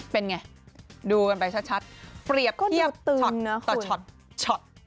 เป็นไงดูกันไปชัดเปรียบเทียบช็อตต่อช็อต